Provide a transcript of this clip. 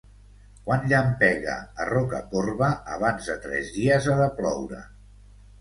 Quan llampega a Rocacorba abans de tres dies ha de ploure.